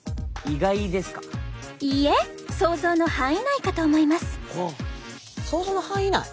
いいえ想像の範囲内かと思います。